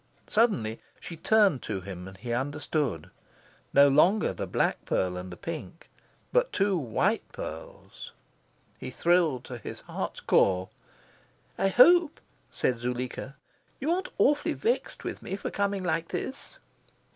Suddenly she turned to him, and he understood. No longer the black pearl and the pink, but two white pearls!... He thrilled to his heart's core. "I hope," said Zuleika, "you aren't awfully vexed with me for coming like this?"